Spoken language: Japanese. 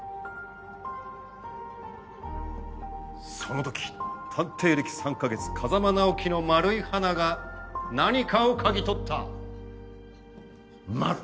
その時探偵歴３か月風真尚希の丸い鼻が何かを嗅ぎ取ったまる。